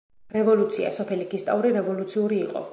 რევოლუცია—სოფელი ქისტაური რევოლუციური იყო.